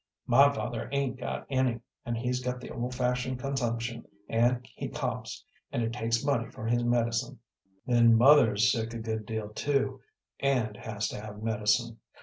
My father 'ain't got any, and he's got the old fashioned consumption, and he coughs, and it takes money for his medicine. Then mother's sick a good deal too, and has to have medicine.